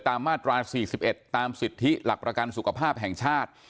มาตรา๔๑ตามสิทธิหลักประกันสุขภาพแห่งชาติ